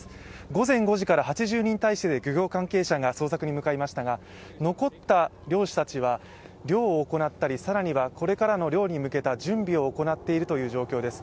午前５時から８０人態勢で漁業関係者が捜索に出ましたが残った漁師たちは漁を行ったり、更にはこれからの漁に向けた準備を行っているという状況です。